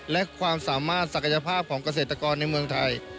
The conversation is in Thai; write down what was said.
และความสามารถศักยภาพของเกษตรกรในเมืองไทย